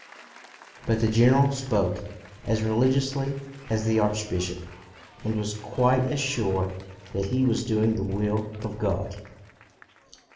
But the general spoke as religiously as the archbishop, and was quite as sure that he was doing the will of God.